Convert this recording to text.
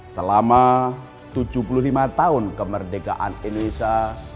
selama tujuh puluh lima tahun kemerdekaan indonesia